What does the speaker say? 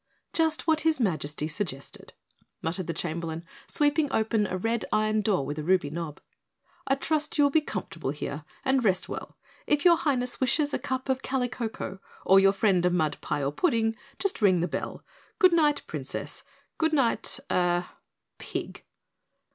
"Just what his Majesty suggested," muttered the Chamberlain, sweeping open a red iron door with a ruby knob. "I trust you will be comfortable here and rest well. If your Highness wishes a cup of Kalicocoa, or your friend a mud pie or pudding, just ring the bell. Goodnight, Princess! Goodnight er er PIG!"